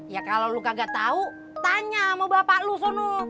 ya kalau lo kagak tahu tanya sama bapak lo sonu